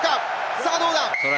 さあどうだ！